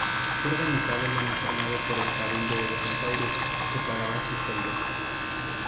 Fue organizado y uniformado por el Cabildo de Buenos Aires, que pagaba sus sueldos.